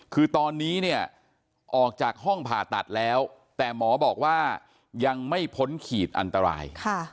คือตอนนี้เนี่ยออกจากห้องผ่าตัดแล้วแต่หมอบอกว่ายังไม่พ้นขีดอันตราย